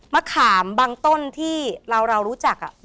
มะขามบางต้นที่เราเรารู้จักอ่ะ